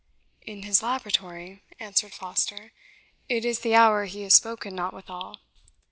"In his laboratory," answered Foster. "It is the hour he is spoken not withal.